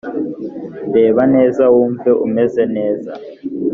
reba neza, wumve umeze neza